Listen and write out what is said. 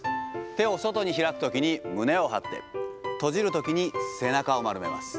手を外に開くときに胸を張って、閉じるときに背中を丸めます。